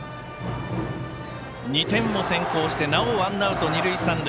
２点を先行してなおワンアウト、二塁三塁。